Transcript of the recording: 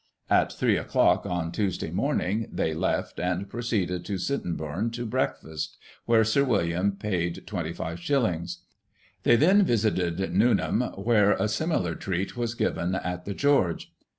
At 3 o'clock, on Tuesday morning they left, and proceeded to Sittingboume to breakfast, where Sir William paid 25s.; they then visited Newnham, where a similar treat was given at the ' George.'